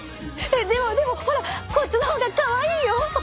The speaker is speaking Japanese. でもでもほらこっちの方がかわいいよ！